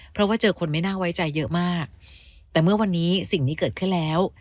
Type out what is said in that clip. เพราะว่าเจอคนไม่น่าไว้ใจเยอะมากแต่เมื่อวันนี้สิ่งนี้เกิดขึ้นแล้ว